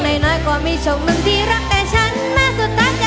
มันก็มีเหตุผลของมัน